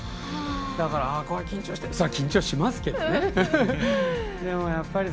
だから、これは緊張しますけどね。